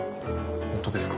ホントですか？